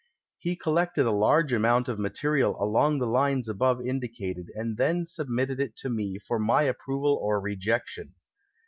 ITe collected a large amount of material along the lines above indicated and then submitted it to me for my approval or rejection.